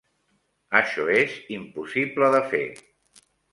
Això és impossible de fer.